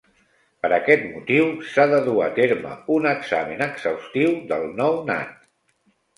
Per aquest motiu, s'ha de dur a terme un examen exhaustiu del nounat.